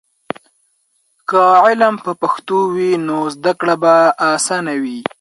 که علم په پښتو وي نو زده کړه به آسانه وي.